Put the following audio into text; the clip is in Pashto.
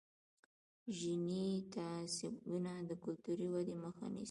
ژبني تعصبونه د کلتوري ودې مخه نیسي.